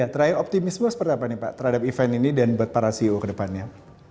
terakhir optimisme seperti apa nih pak terhadap event ini dan buat para ceo ke depannya